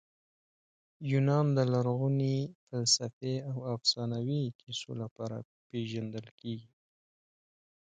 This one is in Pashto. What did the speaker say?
یونان د لرغوني فلسفې او افسانوي کیسو لپاره پېژندل کیږي.